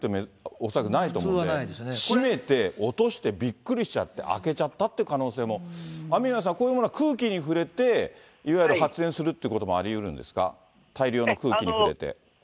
閉めて、落として、びっくりしちゃって開けちゃったって可能性も、雨宮さん、こういうものは空気に触れていわゆる発煙するということもありうるんですか、大量の空気に触れて。